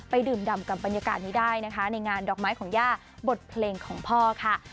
ดื่มดำกับบรรยากาศนี้ได้นะคะในงานดอกไม้ของย่าบทเพลงของพ่อค่ะ